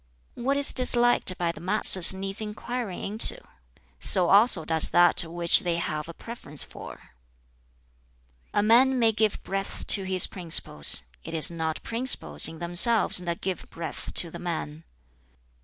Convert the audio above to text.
"What is disliked by the masses needs inquiring into; so also does that which they have a preference for. "A man may give breadth to his principles: it is not principles (in themselves) that give breadth to the man.